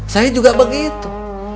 saya juga begitu